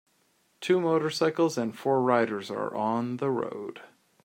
Two motorcycles and four riders are on the road